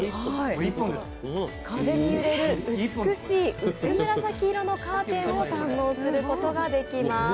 風に揺れる美しい薄紫色のカーテンを堪能することができます。